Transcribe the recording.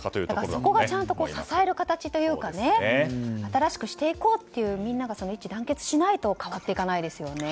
そこが支える形というか新しくしていこうとみんなが一致団結しないと変わっていかないですよね。